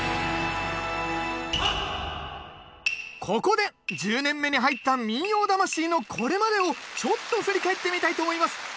ここで１０年目に入った「民謡魂」のこれまでをちょっと振り返ってみたいと思います。